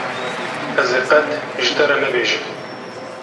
Ez ê qet ji te re nebêjim.